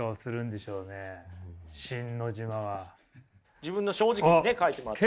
自分の正直にね書いてもらって。